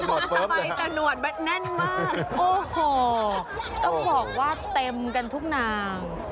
โอ้โหหนวดเพิ่มเลยค่ะโอ้โหต้องบอกว่าเต็มกันทุกนาง